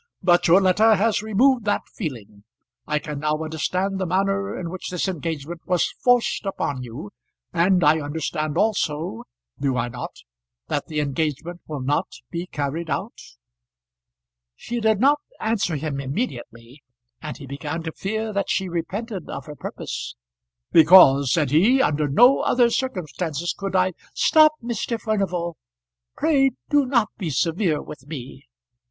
But your letter has removed that feeling. I can now understand the manner in which this engagement was forced upon you; and I understand also do I not? that the engagement will not be carried out?" She did not answer him immediately, and he began to fear that she repented of her purpose. "Because," said he, "under no other circumstances could I " "Stop, Mr. Furnival. Pray do not be severe with me."